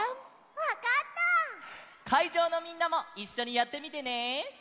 わかった！かいじょうのみんなもいっしょにやってみてね！